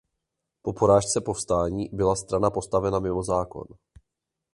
Po porážce povstání byla strana postavena mimo zákon.